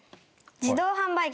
自動販売機？